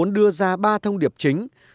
đưa ra ba thông điệp chính